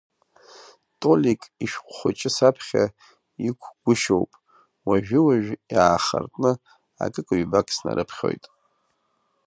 Толик ишәҟә хәыҷы саԥхьа иқәгәышьоуп, уажәы-уажәы иаахыртны акык-ҩбак снарыԥхьоит.